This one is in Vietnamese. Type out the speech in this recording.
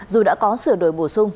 dù đã có sửa đổi bổ sung